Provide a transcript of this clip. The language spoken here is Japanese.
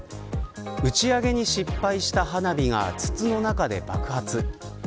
打ち上げに失敗した花火が筒の中で爆発。